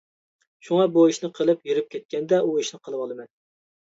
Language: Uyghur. شۇڭا بۇ ئىشنى قىلىپ ھېرىپ كەتكەندە ئۇ ئىشنى قىلىۋالىمەن.